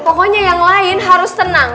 pokoknya yang lain harus tenang